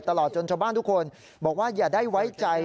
ตลอดจนชาวบ้านทุกคนบอกว่าอย่าได้ไว้ใจ